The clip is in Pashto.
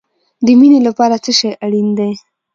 د مینې لپاره څه شی اړین دی؟